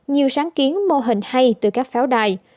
nhiều sáng kiến mô hình hay từ các pháo đài